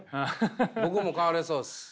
僕も変われそうです。